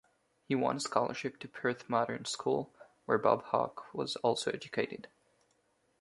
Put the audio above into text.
He won a scholarship to Perth Modern School, where Bob Hawke was also educated.